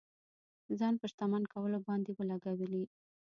ځان په شتمن کولو باندې ولګولې.